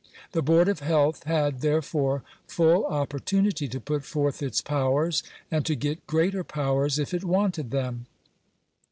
The Board of Health had, therefore, full opportunity to put forth its powers, and to get greater powers if it wanted them.